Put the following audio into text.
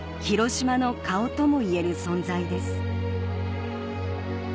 広島の顔ともいえる存在です